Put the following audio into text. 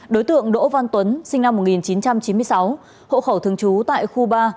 đối tượng đỗ văn tuấn sinh năm một nghìn chín trăm chín mươi sáu hộ khẩu thường trú tại khu ba